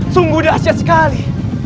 sungguh dahsyat sekali